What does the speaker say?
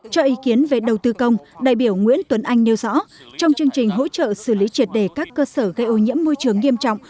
cho ý kiến về đầu tư công đại biểu nguyễn tuấn anh nêu rõ trong chương trình hỗ trợ xử lý triệt đề các cơ sở gây ô nhiễm môi trường nghiêm trọng